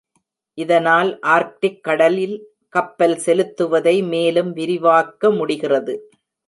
இதனால் ஆர்க்டிக் கடலில் கப்பல் செலுத்துவதை மேலும் விரிவாக்க முடிகிறது.